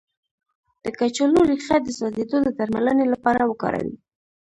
د کچالو ریښه د سوځیدو د درملنې لپاره وکاروئ